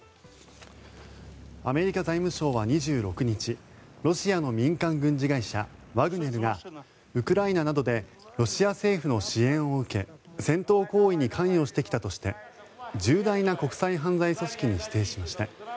アメリカ財務省は２６日ロシアの民間軍事会社ワグネルがウクライナなどでロシア政府の支援を受け戦闘行為に関与してきたとして重大な国際犯罪組織に指定しました。